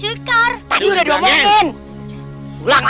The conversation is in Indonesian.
aku akan menganggap